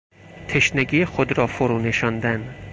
تشنگی خود را فرونشاندن